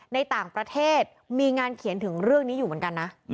ในต่างประเทศมีงานเขียนถึงเรื่องนี้อยู่เหมือนกันนะ